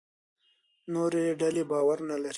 نورې ډلې باور نه لري.